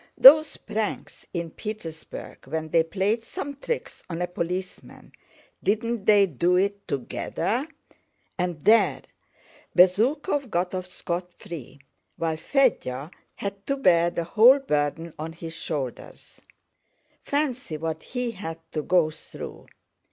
Those pranks in Petersburg when they played some tricks on a policeman, didn't they do it together? And there! Bezúkhov got off scotfree, while Fédya had to bear the whole burden on his shoulders. Fancy what he had to go through!